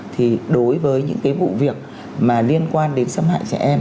thì đối với những cái vụ việc mà liên quan đến xâm hại trẻ em